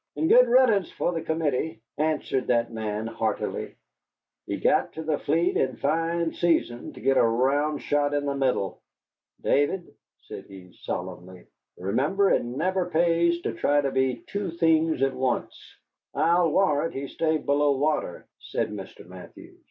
"And good riddance for the Committee," answered that gentleman, heartily. "He got to the fleet in fine season to get a round shot in the middle. David," said he, solemnly, "remember it never pays to try to be two things at once." "I'll warrant he stayed below water," said Mr. Mathews.